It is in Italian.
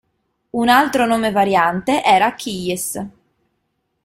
Un altro nome variante era Keyes.